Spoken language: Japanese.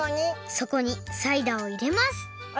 そこにサイダーをいれますあっ